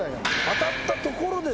当たったところでの。